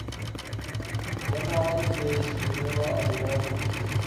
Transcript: যথা, আমাদের দেশে বিধবা-বিবাহ-প্রতিষেধ।